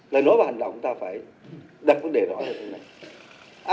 lời nói và hành động ta phải đặt vấn đề rõ hơn